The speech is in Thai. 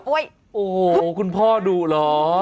โอ้โหคุณพ่อดุเหรอ